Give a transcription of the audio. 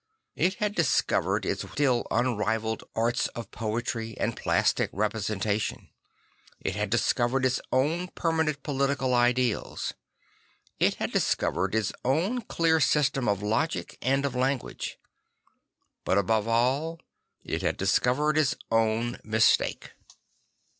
It had discovered its still unn valled arts of poetry and plastic repre sentation; it had discovered its own permanent political ideals; it had discovered its own clear system of logic and of language. But above all, it had discovered its own mistake.